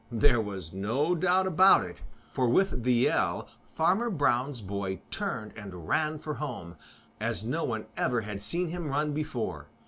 There was no doubt about it, for with the yell Farmer Brown's boy turned and ran for home, as no one ever had seen him run before.